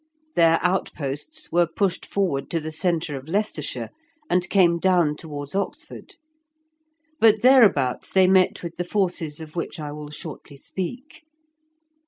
Their outposts were pushed forward to the centre of Leicestershire, and came down towards Oxford. But thereabouts they met with the forces of which I will shortly speak.